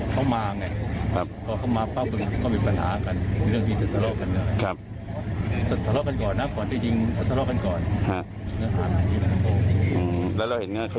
เค้าไม่ได้ปืนตั้นปืนยาวเค้าเขาเห็นตัวแยวนี่แหละ